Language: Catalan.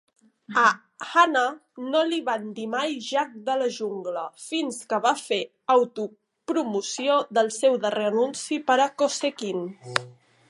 A Hanna no li van dir mai "Jack de la jungla" fins que va fer autopromoció del seu darrer anunci per a Cosequin.